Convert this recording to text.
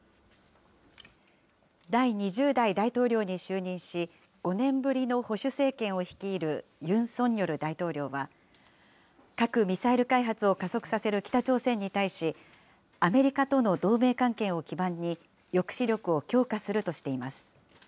第２０代大統領に就任し、５年ぶりの保守政権を率いるユン・ソンニョル大統領は、核・ミサイル開発を加速させる北朝鮮に対し、アメリカとの同盟関係を基盤に、抑止力を強化するとしています。